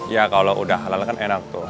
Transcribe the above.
ya kalau udah halal kan enak tuh